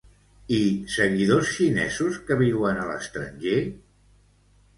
I seguidors xinesos que viuen a l'estranger?